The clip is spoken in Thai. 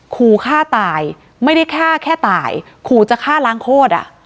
ขู่ฆ่าตายไม่ได้ฆ่าแค่ตายขู่จะฆ่าล้างโคตรอ่ะ